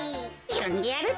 よんでやるって。